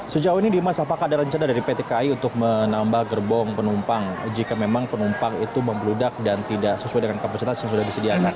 sejauh ini dimas apakah ada rencana dari pt kai untuk menambah gerbong penumpang jika memang penumpang itu membludak dan tidak sesuai dengan kapasitas yang sudah disediakan